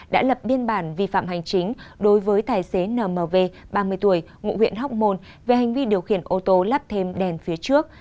đã lập biên bản vi phạm hành chính đối với tài xế nmv ba mươi tuổi ngụ huyện hóc môn về hành vi điều khiển ô tô lắp thêm đèn phía trước